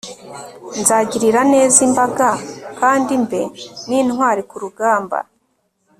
nzagirira neza imbaga kandi mbe n'intwari ku rugamba